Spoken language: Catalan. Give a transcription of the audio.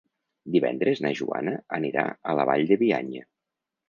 Divendres na Joana anirà a la Vall de Bianya.